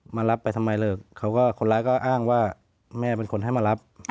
มารับไปทำไมเลิกเขาก็คนร้ายก็อ้างว่าแม่เป็นคนให้มารับ